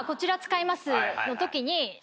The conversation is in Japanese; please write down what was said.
の時に。